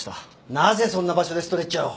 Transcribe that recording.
なぜそんな場所でストレッチャーを。